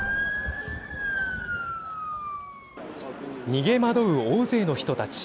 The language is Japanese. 逃げ惑う大勢の人たち。